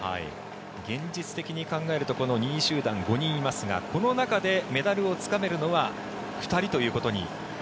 現実的に考えると２位集団、５人いますがこの中でメダルをつかめるのは２人ということに。